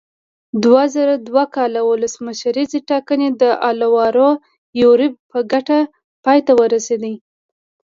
دوه زره دوه کال ولسمشریزې ټاکنې د الوارو یوریب په ګټه پای ته ورسېدې.